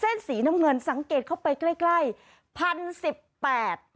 เส้นสีน้ำเงินสังเกตเข้าไปใกล้ใกล้พันสิบแปด